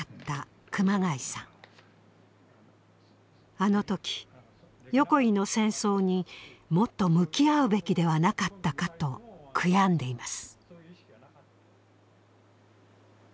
あのとき横井の戦争にもっと向き合うべきではなかったかと悔やんでいます。